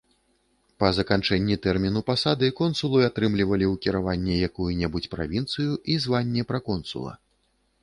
Па заканчэнні тэрміну пасады, консулы атрымлівалі ў кіраванне якую-небудзь правінцыю і званне праконсула.